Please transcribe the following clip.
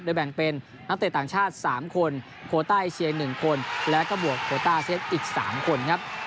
แบ่งเป็นนักเตะต่างชาติ๓คนโคต้าเอเชีย๑คนแล้วก็บวกโคต้าอาเซียนอีก๓คนครับ